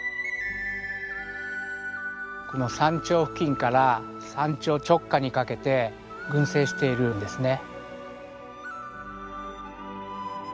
この山頂付近から山頂直下にかけて群生しているんですね。